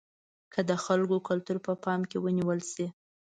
که د خلکو کلتور په پام کې ونیول شي.